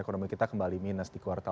ekonomi kita kembali minus di kuartal